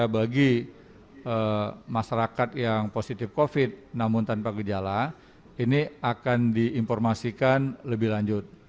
bagi masyarakat yang positif covid namun tanpa gejala ini akan diinformasikan lebih lanjut